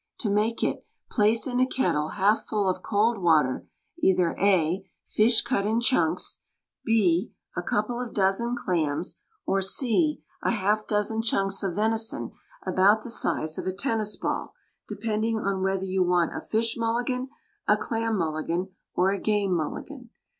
To make it: Place in a kettle half full of cold water either (a) fish cut in chunks, (b) a couple of dozen clams, or (c) a half dozen chunks of venison about the size of a tennis ball, depend ing on whether you want a Fish Mulligan, a Clam Mulli gan, or a Game Mulligan.